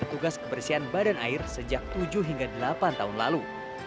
dan juga menjadi petugas kebersihan badan air sejak tujuh hingga delapan tahun lalu